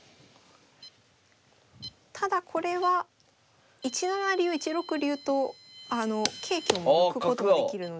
ただこれは１七竜１六竜と桂香も抜くことができるので。